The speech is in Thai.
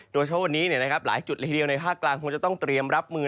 โดยเฉพาะวันนี้หลายจุดละทีเดียวในภาคกลางคงจะต้องเตรียมรับมือ